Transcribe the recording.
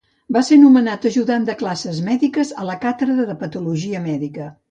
Va ser nomenat ajudant de classes mèdiques a la càtedra de patologia Mèdica.